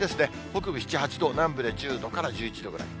北部７、８度、南部で１０度から１１度ぐらい。